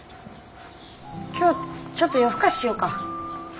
今日ちょっと夜更かししようか。